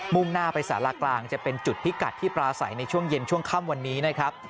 ่งหน้าไปสารากลางจะเป็นจุดพิกัดที่ปลาใสในช่วงเย็นช่วงค่ำวันนี้นะครับ